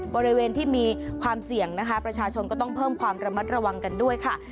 บริเวณที่มีความเสี่ยงนะคะประชาชนก็ต้องเพิ่มความระมัดระวังกันด้วยค่ะ